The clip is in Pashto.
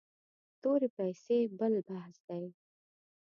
تورې پیسې بل بحث دی.